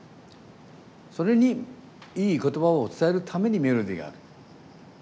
それにいい言葉を伝えるためにメロディーがある。